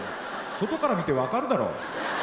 外から見て分かるだろ。